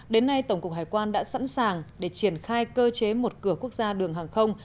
đến nay tổng cục hải quan đã sẵn sàng để triển khai cơ chế một cửa quốc gia đường hàng không